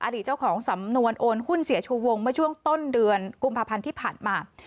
เจ้าของสำนวนโอนหุ้นเสียชูวงเมื่อช่วงต้นเดือนกุมภาพันธ์ที่ผ่านมา